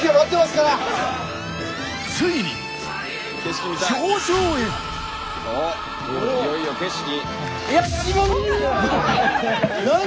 ついにいよいよ景色。